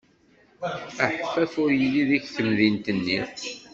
Aḥeffaf ur yelli deg temdint-nni.